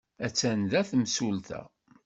Attan da temsulta.